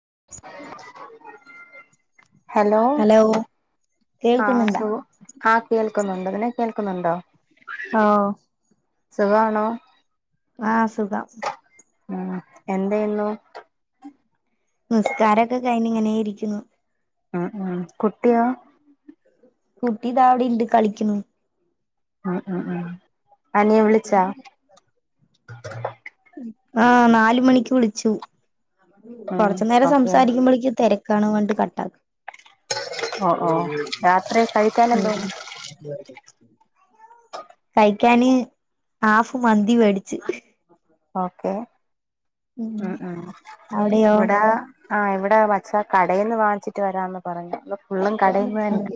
[unintelligible] Hello ആ കേൾക്കുന്നുണ്ടാ സു ആ കേ കേകുന്നുണ്ട്. അതിനൊക്ക കേൾക്കുന്നുണ്ടോ? ഹാവൂ സുഖാണോ? ആഹ് സുഖം. ഉം എന്തായ്ന്നു? നിസ്കാരൊക്കെ കഴിഞ്ഞ് ഇങ്ങനെ ഇരിക്ക്ണു. അഹ് ആഹ് കുട്ട്യോ? കുട്ടി താ അവിടെണ്ട് കളിക്ക്ണു. അഹ് ആഹ് ആഹ് അനിയെ വിളിച്ചാ ആഹ് നാല്മണിക്ക് വിളിച്ചു. ഉം കൊർച്ച് നേരം ഓക്കെ സംസാരിക്കുമ്പോഴേക്ക് തെര ക്കാണ് [unintelligible] കട്ടാക്ക്. ഓ ഓ രാത്രി കഴിക്കാൻ ഉം എന്തോന്ന് കഴിക്കാന് ഹാഫ് മന്തി മേടിച്. ഓക്കെ ഉം ഉം അവിടെയോ ഇവിടെ ആ ടെ മച്ച കടയിന്ന് വാങ്ങിച്ചിട്ട് വരാന്ന് പറഞ്ഞു. ഫുള്ളും കടേന്ന് തന്നെ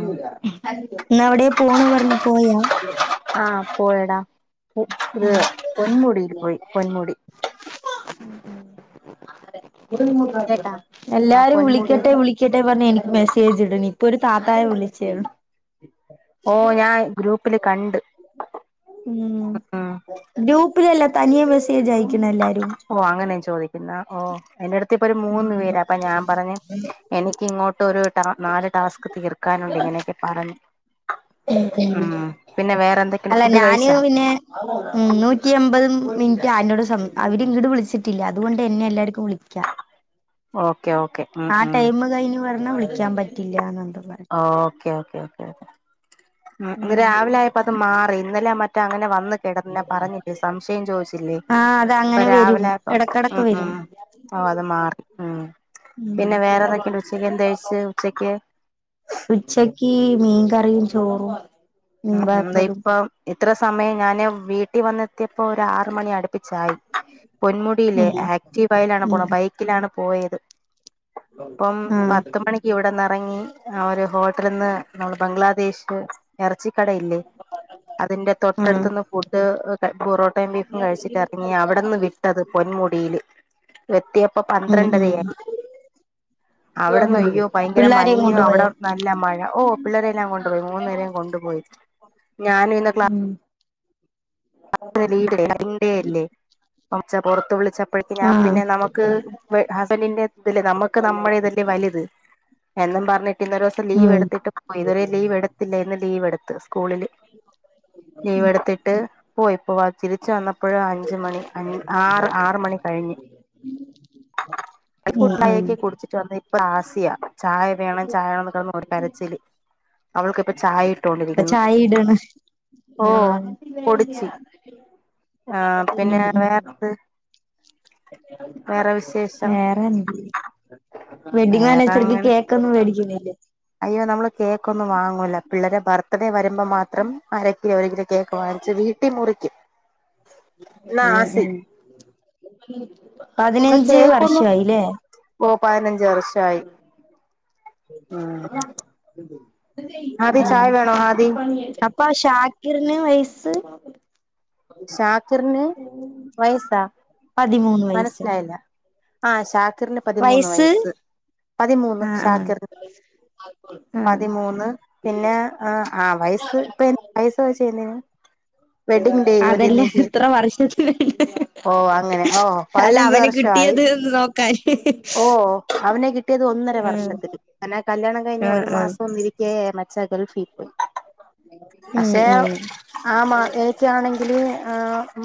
ഉം മ്മ്.... ഇന്ന് എവിടെ പോണ് പറഞ്ഞു പോയാ, പോയടാ ഒരു പൊന്മുടിയിൽ പോയി പൊന്മുടി കേട്ടാ ആഹ് എല്ലാരും പൊന്മുടി വിളിക്കട്ടെ വിളിക്കട്ടെ പറഞ്ഞ എനിക്ക് മെസ്സേജ് ഇടും. ഇപ്പൊ ഒരു താത്തായെ വിളിച്ചേ. ഓ ഞാൻ ഗ്രൂപ്പില് കണ്ട് ഉം ഉം ഗ്രൂപ്പിലല്ല തനിയെ മേസജായിക്ക ഓ അങ്ങനെയന്ന് ചോദിക്കുന്നെ ഓ അന്റെടുത്ത് പ്പ ഒരു മൂന്ന് പേര് അപ്പൊ ഞാൻ പറഞ്ഞ് എനിക്ക് ഇങ്ങോട്ടൊരു മം നാല് ടാസ്ക് തീർക്കാനുണ്ട് ഇങ്ങനെയൊക്കെ പറഞ്ഞു. ഉം പിന്നെ വേറെ എന്തൊക്കെയുണ്ട് അല്ല ഫുഡ് ഞാന് കഴിച്ചാ പിന്നെ ഉ നൂറ്റി അമ്പത് ഇഞോട് അവരി ഇങ്ങീട് വിളിച്ചിട്ടില്ല അതുകൊണ്ട് എന്നെ എല്ലാർക്കും വിളിക്കാ. ഓക്കെ ഓക്കെ ഉം ആ ഉം ടൈമ് കഴിഞ്ഞ് പറഞ്ഞാ വിളിക്കാൻ പറ്റില്ല. ഓക്കെ ഓക്കേ ഓക്കെ ഇന്ന് ഉം രാവിലെ ആയപ്പോ അത് മാറി ഇന്നലെ മ റ്റ അങ്ങനെ വന്ന് ടന്നെ പറഞ്ഞട്ടേ സംശയം ചോദിച്ചില്ലേ ആഹ് അത് അപ്പൊ അങ്ങനെ വരും രാവിലെ അപ്പം എടക്കെടക്ക് ഉം ഉ വരും ഓ അത് മാറി ഉം ഉം പിന്നെ വേറെ എന്തൊക്കെയണ്ട് ഉച്ചക്ക് എന്തേകഴിച്ച് ഉച്ചക്ക് ഉച്ചക്ക് മീൻകറിയും ചോറും മീൻ എന്താ വറുത്തതും ഇപ്പ ഇത്ര സമയം ഞാന് വീട്ടി വന്നെത്തിയപ്പോ ഒരു ആറ് മണി അടുപ്പിച്ചായി പൊന്മുടിയിലെ ഉം ആക്റ്റീവയിലാണ് ഉം പോണ ബൈക്കിലാണ് പോയത് അപ്പം ആഹ് പത്ത് മണിക്ക് ഇവിടെന്ന് ഇറങ്ങി ആ ഒരു ഹോട്ടലിന്ന് നമ്മള് ബംഗ്ലാദേശ് ഇറച്ചി കടയില്ലേ അതിന്റെ ആഹ് തൊട്ടടുത്ത്ന്ന് ഫുഡ് പൊറോട്ടയും ബീഫും കഴിച്ചിട്ടിറങ്ങി അവിടെന്ന് വിട്ടത് പൊന്മുടിയില് എത്തിയപ്പോ ഉം ഉം പന്ത്രണ്ടരയായി അവിടെന്നയ്യോ ഭയങ്കര പിള്ളാരെയും മഞ്ഞു അവിടെ കൊണ്ടുപോയോ നല്ല മഴ ഓ പിള്ളേരെല്ലാം കൊണ്ടുപോയി മൂന്നേരേം കൊണ്ട് പോയി കൊണ്ട് പോയി ഞാനും ഇന്ന് ക്ലാ ഉം വർക്കിംഗ്‌ ടെ അല്ലെ പൊറത്ത വിളിച്ച അപ്പോഴക്കും ഞാൻ ആഹ് പിന്നെ നമുക്ക് ഹസ്ബൻഡിന്റെ ഇതില്ലേ നമുക്ക് നമ്മുടെ ഇതല്ലേ വലുത് എന്നും പറഞ്ഞിട്ട് ഇന്നോരോസം ലീവ് ഉം എടുത്തിട്ട് പോയി ഇതുവരെേ ലീവ് എടുത്തില്ല ഇന്ന് ലീവ് എടുത്ത് സ്കൂളില് ലീവ് എടുത്തിട്ട് പോയിപ്പോവാ തിരിച്ച് വന്നപ്പോ - കൊറേ ടാക്ടടെ ഫുഡ് ചായക്കെ കുടിച്ചിട്ട് വന്ന ഇപ്പ ആസിയ ചായ വേണം ചായ വെണെന്ന് പറഞ്ഞു ഒരു കരച്ചില് അവൾക്കിപ്പ ചായ ഇപ്പൊ ഇട്ടൊണ്ടിരിക്കുന്നു ചായ ഇടാണ് ഓ പൊടിച്ചി ആഹ് പിന്നെ വേറെന്ത് വേറെ വിശേഷം വേറെന്ത് വെഡ്ഡിംഗ് വേറെ ആനിവേഴ്സറിക്ക് അങ്ങനെ കേകൊ ന്നും വേടിക്കൂല്ലേ അയ്യോ നമ്മള് കേക്കൊന്നും വാങ്ങൂല പിള്ളേരെ ബർത്ത് ബർത്ഡേ വരുമ്പോ മാത്രം അരക്കിലോ ഒരു കിലോ കേക്ക് വാങ്ങിച്ച് വീട്ടി മുറിക്കും എന്നാ ഉം ആസി ഉം പതിനഞ്ച് കേക്കൊന്നും വർഷായി ല്ലേ ഓ പതിനഞ്ച് വർഷായി ഉം ഹാദി ചായ വേണോ ഹാദി ഓക്കേ അപ്പൊ ഷാക്കിറിന് വയസ് ഷാക്കിറിന് വയസ്സാ പതിമൂന്ന് വയസ്സ് മനസ്സിലായില്ല ആ ഷാാക്കിറിന് പതിമൂന്ന് വയസ്സ് പതിമൂന്ന് ആഹ് ആഹ് ഷാക്കിറിന് ആഹ് പതിമൂന്ന് പിന്നെ ആ ആ വയസ്സ് ഇപ്പ വയസ്സ് ചോയിച്ച ന്തിനാ വെഡ്ഡിങ് ഡേ അതല്ലേ [unintelligible] എത്ര വർഷത്തിന് ഓ അങ്ങനെ ഓ അല്ല പതിനഞ്ച് അവന് വർഷമായി കിട്ടിയത് എന്ന് നോക്കാൻ ഓ അവനെ കിട്ടിയത് ഒന്നര ആഹ് വർഷത്തിൽ അങ്ങനെ കല്യാണം കഴിഞ്ഞ് ആഹ് ഒരു ആഹ് മാസം ഒന്നിരിക്കേ മറ്റ ഇച്ചഗൾഫീ പോയി ഉം പക്ഷെ ഉം ആ മാ [unintelligible] ക്കാണെങ്കില്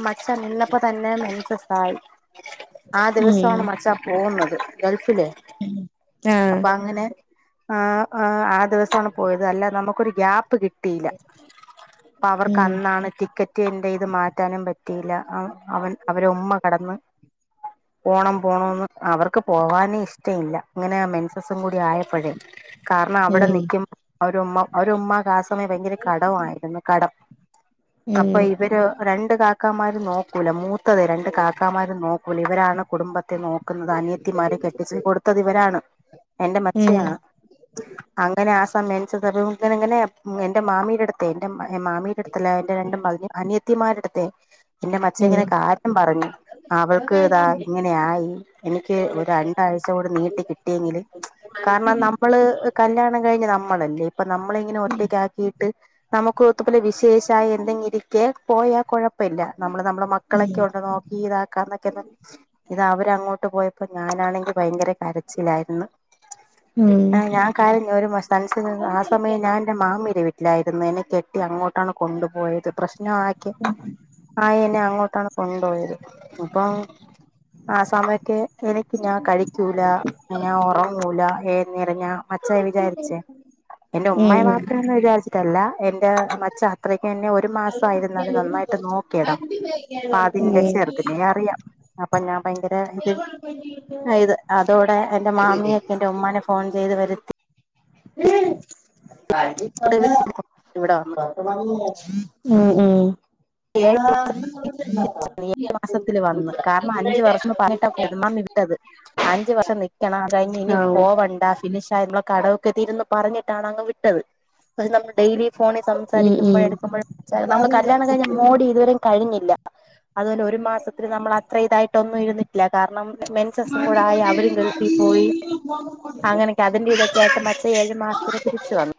മച്ച നിന്നപ്പോ തന്നെ മെൻസസായി ആ ഉം ദിവസമാണ് മച്ച പോയ പോവുന്നത് ഗൾഫിലെ ആഹ് അപ്പൊ അങ്ങനെ ആഹ് ആഹ് ദിവസാണ് പോയത് അല്ലാ നമുക്കൊരു ഗ്യാപ്പ് കിട്ടിയില്ല അപ്പൊ അവർക്ക് ഉം അന്നാണ് ടിക്കറ്റ് എന്റെ ഇത് മാറ്റാനും പറ്റിയില്ല അവൻ അവരെ ഉമ്മ കടന്ന് പോണം പോണംന്ന് അവർക്ക് പോവാനെ ഇഷ്ടഇല്ല അങ്ങനെ മെൻസസും കൂടി ആയപ്പഴേ കാരണം അവിടെ ഉം നിക്കുമ്പോ അവരുമ്മ ഓര ഉമ്മാക്ക് ആ സമയം ഭയങ്കര കടമായിരുന്നു കടം ഉം അപ്പൊ ഉം ഇവര് രണ്ട് കാക്കമാരും നോക്കൂല മൂത്തത് രണ്ട് കാക്ക കാക്കമാര് നോക്കൂല ഇവരാണ് കുടുംബത്തെ നോക്കുന്നത് അനിയത്തിമാരെ കെട്ടിച്ച് കൊടുത്തത് ഇവരാണ് എന്റെ ഉം മച്ചയാണ് അങ്ങനെ ആ [unintelligible] ഇങ്ങന ഇങ്ങനെ എന്റെ മാമിടടുത്തെ എൻ്റെ മാമിയയുടെ അടുത്തല്ല എന്റെ രണ്ടു അനിയത്തിമാരടുത്തെ എന്റെ മച്ച ഉം ഇങ്ങനെ കാര്യം പറഞ്ഞു അവൾക്ക് ഇതാ ഇങ്ങനെ ആയി എനിക്ക് ഒരു രണ്ടാഴ്ച കൂടി നീട്ടി കിട്ടിയെങ്കില് കാരണം നമ്മള് കല്യാണം കഴിഞ്ഞ് നമ്മളല്ലേ ഇപ്പൊ നമ്മള ഇങ്ങനെ ഒറ്റയ്ക്കാക്കിയിട്ട് നമുക്ക് [unintelligible] ത്തപ്പിലെ വിശേഷമായി എന്തെങ്കിലിരിക്കെ പോയാൽ കുഴപ്പമില്ല നമ്മള് നമ്മുടെ മക്കളൊക്കെ ഉം കൊണ്ട് നോക്ക ഇതാക്കാന്നൊക്കെ ഇത് അവര അങ്ങോട്ട് പോയപ്പോ ഞാനാണെങ്കി ഭയങ്കര കരച്ചിലായിരുന്നു ആ് ഞാൻ കരഞ്ഞു [unintelligible] ആ സമയം ഞാൻ എന്റെ മാമിയിന്റെ വീട്ടിലായിരുന്നു എന്നെ കെട്ടി അങ്ങോട്ടാണ് കൊണ്ടുപോയത് പ്രശ്നമാക്കി ആയിെ അങ്ങോട്ടാണ് കൊണ്ടു പോയത് അപ്പം ആ സമയക്ക എനിക്ക് ഞാൻ കഴിക്കൂല ഞാൻ ഉറങ്ങൂല ഏ നിറഞ്ഞ അച്ചായി വിചാരിച്ചേ എന്റെ ഉമമ്മെ ഉം ഉം വാപ്പന്ന് വിചാരിച്ചേ എന്റെ മച്ച അത്രയ്ക്ക് എന്നെ ഒരു മാസ ആവും ഉം ആയിരുന്നാലും നന്നായിട്ട് നോക്കിടാ ഉം അപ്പ ഉം ഉം അതിന്റെ ചെറു അതിന അറിയാം അപ്പൊ ഞാൻ ഭയങ്കര ഇത് ഇത് അതോടെ എറെ മാമിയൊക്കെ എൻറെ ഉമ്മാനെ ഫോൺ ചെയ്ത് വരുത്തി ഉ ഇവിടെ വന്നു ഉം അത മാസത്തില് [unintelligible] [inaudible] ട്ടത് അഞ്ചച് വർഷം നിക്കണം കഴിഞ് ഇനി പോവണ്ട ഫിനിഷ മ്മളെ കടൊ ഒക്കെ ഇരുന്ന് പറഞ്ഞിട്ടാണ് അങ്ങ് വിട്ടത് പക്ഷെ നമ്മള് ഡെയിലി ഫോണിൽ സംസാരിക്കുമ്പോഴ എടുക്കുമ്പോ നമ്മള് കല്യാണം കയ് മോടി ഇതുവരും കഴിഞ്ഞില്ല അതുപോലെ ഒരു മാസത്തിൽ നമ്മൾ അത്ര ഇതായിട്ടൊന്നും ഇരുന്നിട്ടില്ല കാരണം മെൻസസ് കൂടെ ആയി അവരും ഗൾഫിൽ പോയി അങ്ങനെയൊക്കെ അതിന്റെ ഇതൊക്കെ ആയിട്ട് മച്ച ഏഴു മാസം തിരിച്ച വന്നു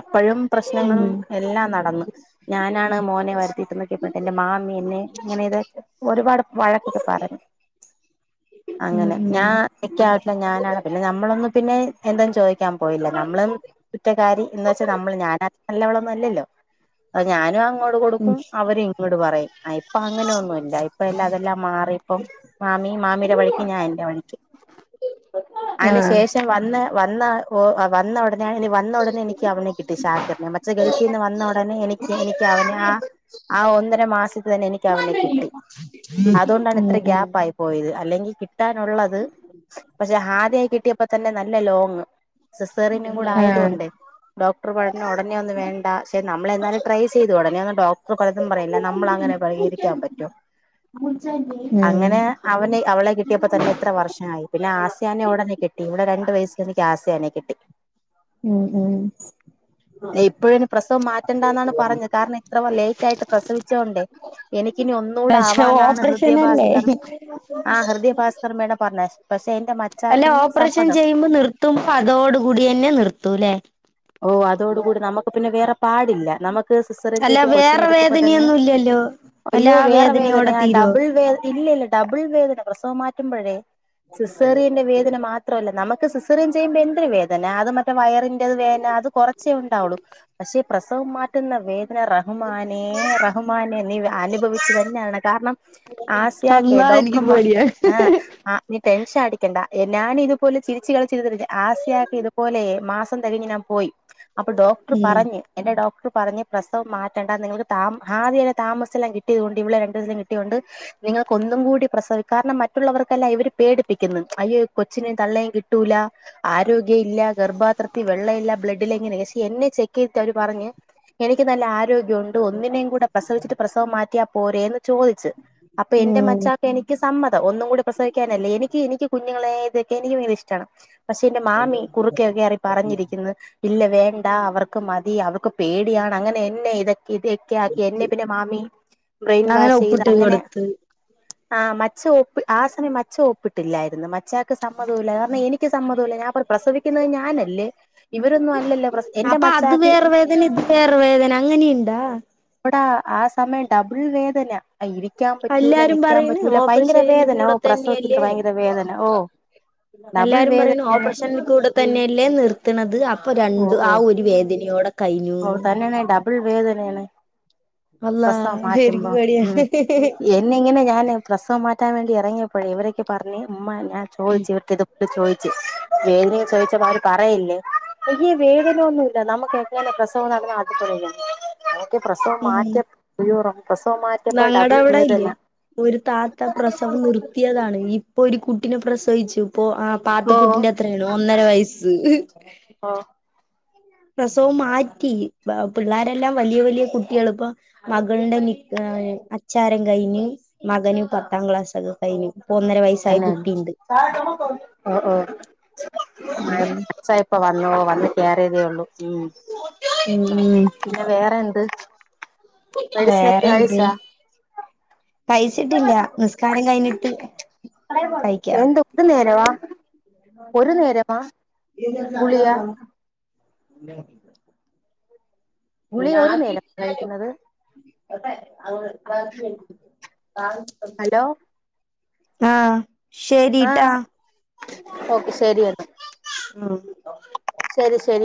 അപ്പോഴും പ്രശ്നങ്ങളും എല്ലാം നടന്നു ഞാനാണ് മോനെ വരുത്തിട്ട് നക്കിയപ്പോട്ടെ എന്റെ മാമി ഇങ്ങനെ ഇതൊ ഒരുപാട് വഴക്കൊക്കെ പറഞ്ഞു [unintelligible] അങ്ങനെ ഞാൻ ഇക്ക ഞാനാണ് പിന്നെ നമ്മളൊന്നും പിന്നെ എന്തും ചോദിക്കാൻ പോയില്ല നമ്മളും കുറ്റക്കാരി എന്ന വെച്ചാ നമ്മള് ഞാനത്ര നല്ലവളൊന്നും അല്ലല്ലോ അ ഞാനും അങ്ങോട്ട് ഉം അവര ഇങ്ങോട്ടട് പറയും ഇപ്പ അങ്ങനെ ഒന്നുംല്ല ഇപ്പ എല്ല അതെല്ലാം മാറിപ്പ മാമി മാമ എന്റെ വഴിക്ക് ഞാൻ എന്റെ വഴിക്ക് അതിന് ആഹ് ശേഷം വന്ന വന്ന വന്ന ഉടനെ ഇനി വന്ന ഉടനെ എനിക്ക് അവനെ കിട്ടി ഷാക്കിറിനെ മച്ചേ ഗൾഫിൽ നിന്ന് വന്ന ഉടനെ എനിക്ക് എനിക്ക് അവനെ ആ ആ ഒന്നര മാസത്ത് തന്നെ എനിക്ക് അവനെ കിട്ടി അതുകൊണ്ടാണ് ഇത്ര ഉം ഗ്യാപ്പായി പോയത് അല്ലെങ്കി കിട്ടാനുള്ളത് പക്ഷെ ഹാദായി കിട്ടിയപ്പോ തന്നെ നല്ല ലോങ് സിസ്സേറിനും കൂടെ ആഹ് ആയതൊണ്ട് ഡോക്ടർ പട ഉടനെ ഒന്ന വേണ്ട പക്ഷെ നമ്മൾെ എന്നാലും ട്രൈ ചെയ്തു ഉടനെ ഒന്ന് ഡോക്ട പലതും പറയില്ല നമ്മള അങ്ങനെ പരിഹരിക്കാൻ പറ്റോ മച്ചെ [unintelligible] അങ്ങനെ അവനെ അവളെ കിട്ടിയപ്പോ തന്നെ ഇത്ര വർഷമായി പിന്നെ ആസിയാനെ ഉടനെ കിട്ടി ഇവിടെ രണ്ടു വയസൽനിക്ക് ആ യാനെ കിട്ടി ഉം ഉം ഇപ്പോഴും പ്രസവം മാറ്റണ്ടാന്നാണ് പറഞ്ഞത് കാരണം ഇത്ര ലേയ് റ്റായിട് പ്രസവിച്ചോൊണ്ടേ എനിക്കിന ഒന്നുകൂട പക്ഷെ ആവാന്നാണ് ഓപ്പറേഷനല്ലേ ഹൃദ്യയഭാസ്കർ ആഹ് ഹൃദയ ഭാസ്കര മേട പറഞ്ഞെ അല്ലെ ഓപ്പറേഷൻ ചെയ്യുമ്പോ നിർത്തുമ്പോ അതോട കൂടി തന്നെ നിർത്തൂല്ലേ ഓ അതോടുകൂടി നമുക്ക് പിന്നെ വേറെ പാടില്ല നമുക്ക് സിസ്സറൻ അല്ല ചെയ്ത് കൊച്ചിനെ വേറെ തന്നെ വേദനയൊന്നും ഇല്ലല്ലോ അല്ല അയ്യോ ആ വേറെ വേദനയോടെ വേദനയാ തീരുവോ ഡബിൾ വേദന ഇല്ല ഇല്ല ഡബിൾ വേദന പ്രസവം മാറ്റുമ്പോഴേ സിസേറിയന്റെ വേദന മാത്രല്ല നമുക്ക് സിസേറിയൻ ചെയ്യുമ്പ എന്ദന്ത്രി വേദന അത് മറ്റേ വയറിന്റെറത് വേദന അത് കുറച്ചേണ്ടാവുള്ളൂ പക്ഷേ പ്രസവ് മാറ്റുന്ന വേദന റ റഹ്മാനെ റഹ്മാനെ നീ അനുഭവിച്ചു തന്നെയാണ് കാരണം ആസിയാക്കെ അള്ളാ ഡോക്ടർ എനിക്ക് മാ പേടിയാ ആഹ ആ നീ ടെൻഷൻ അടിക്കണ്ട ഞാനി ഇപോലെ ചിരിച്ച കളിച്ചിട്ട ആസിയക്കെ ഇതുപോലെ മാസം തികിഞ്ഞ് ഞാൻ പോയി അപ്പൊ ഡോക്ടർ ഉം പറഞ്ഞ് എന്റെ ഡോക്ടർ പറഞ്ഞ് പ്രസവം മാറ്റ കാ നിങ്ങക്ക് ത ആദ്യ താമസ എല്ലാം കിട്ടിയത് കൊണ്ട് ഇവിളടെ രണ്ടു ദസം കിട്ടിയൊണ്ട് നിങ്ങൾക്ക് ഒന്നും കൂടി പ്രസ് കാരണം മറ്റുള്ളവർക്കല്ല ഇവര് പേടിപ്പിക്കുന്നു അയ്യോ കൊച്ചിനും തള്ളയും കിട്ടൂല ആരോഗ്യംല്ല ഗർഭാത്രത്തിൽ വെള്ളല്ല ബ്ലഡ് എങ്ങനെ എന്നെ ചെക്ക് ചെയ്ട്ട് അവര് പറഞ്ഞ് എനിക്ക് നല്ല ആര്യ ഉണ്ട് ഒന്നിനെയും കൂടെ പ്രസവിച്ചിട്ട് പ്രസവം മാറ്റിയാ പോരേന്ന് ചോദിച്ച് അപ്പൊ എന്റെ ഉം മച്ചാക്ക് എനിക്ക് സമ്മതം ഒന്നും കൂടി പ്രസവിക്കാനല്ലേ എനിക്ക് എനിക്ക് ങ്ങളതൊക്കെ എനിക്ക് ഭയങ്കര ഇഷ്ടമാണ് പക്ഷെ എന്റെ മാമി കുറുക്കെക്കെറി പറഞ്ഞിരിക്കുന്ന് ഇല്ല വേണ്ട അവർക്ക് മതി അവർക്ക് പേടിയാണ് അങ്ങനെഎന്നെ ഇതൊക്കെ ഇതൊക്കെ ആക്കി എന്നെ പിന്നെ മാമി ബ്രെയിൻ അങ്ങനെ വാഷ് ചെയ്ത് ഒപ്പിട്ട് അങ്ങനെ കൊടുത്ത് ആ മച്ച ആ സമയം മച്ച ഒപ്പിട്ടില്ലായിരുന്നു മച്ച സമ്മതുല്ല കാരണം എനിക്ക് സമ്മതുല്ല ഞാൻ പ്രസവിക്കുന്നത് ഞാനല്ലേ ഇവരൊന്നും അല്ലലോ അപ്പൊ അത് വേറെ വേദന ഇത് വേറെ വേദന അങ്ങനെയിണ്ടാ എവിട ആ സമയം ഡബിൾ വേദന ഇരിക്കാൻ പറ്റൂല എല്ലാരും നിക്കാൻ പറയണ് പറ്റൂല ഭയങ്കര ഓപ്പറേഷനിൽ വേദന കൂടെ ഓ പ്രസവത്തിന്റെ തന്നെയല്ലേ ഭയങ്കര വേദന ഓ ഡബിൾ എല്ലാരും പറയുന്നു വേദനയാണ് ഓപറഷൻ കൂടെ തന്നെല്ലേ നിർത്തണത്. അപ് അപ്പൊ ഓ രണ്ട് ആ ഓ ഒരു വേദനയോടെ ഓ കഴിഞ്ഞൂന്ന് തന്നെനെ ഡബിൾ വേദനയേണ് അള്ളാ പ്രസവം ശരിക്കും മാറ്റുമ്പോ മ് പേടിയാണ് എന്നിങ്ങനെ ഞാന് പ്രസവം മാറ്റാൻ വേ ഇറങ്ങിയപ്പഴെ ഇവരെക്ക് പറഞ്ഞ് ഇമ്മാ എ ഞാൻ ചോദിച്ചു ഇവർക്ക് ഇതപോലെ ചോദിച്ചു വേദനയും ചോദിച്ചപ്പോ അവര് പറയില്ലേ ഏ വേദനയൊന്നുമ ഇല്ല നമുക്ക് എങ്ങെ പ്രസവം നടന്ന അതുപോലന്യ പ്രസവം ഉം മാറ്റ ഉയ്യോടാ പ്രസവം മാറ്റിയപ്പോൾ ഞങ്ങടെ ഡബിൾ അവിടെ ഇല്ലേ വേദന ഒരു താത്ത പ്രസവം നിർത്തിയതാണ് ഇപ്പൊ ഒരു കുട്ടിനെ പ്രസവിച്ചു ഓഹ് ആ ഓ പാത്ത്കുട്ടിന്റെ അത്രയാണ് ഒന്നര വയസ്സ് ഓ പ്രസവംമാറ്റി അപ് അ പിള്ളരെല്ലാം വലിയ വലിയ കുട്ടികൾ ഇപ്പം മകളുടെ നിക് അ അച്ചാരം കയിഞ്ഞു മകനും പത്താം ക്ലാസ്ക്കെ കഴഞ്ഞു അന്നെ ഓ ഓ അച്ച ഇപ്പ വന്നോ വന്ന് കയറിയതേള്ളൂ ഉം ഉം അ ഉം ഉം പിന്നെ വേറെ എന്ത്? മെഡിസിനൊക്കെ വേറെന്ത് കഴിച്ചാ കഴിച്ചിട്ടില്ല നിസ്കാരം കഴിഞ്ഞിട്ട് എന്തൊക്കുന്നരവാ ാ ഗുളിക [inaudible] ച്ചറണം ഗുളിക ഒരു നേരം നട്ടല്ല കഴിക്കുന്നത് [inaudible] അതെ അ ബാക്ക [inaudible] ഹലോ ആ ആ ഓക്കെ ശരി എന്നാ [unintelligible] ആ ശരി ശരി ഓ